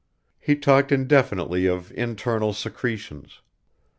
He talked indefinitely of internal secretions.